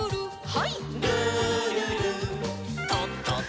はい。